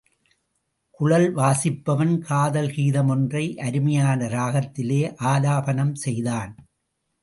குழல் வாசிப்பவன் காதல் கீதம் ஒன்றை அருமையான ராகத்திலே ஆலாபனம் செய்தான்.